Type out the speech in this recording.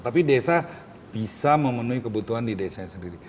tapi desa bisa memenuhi kebutuhan di desanya sendiri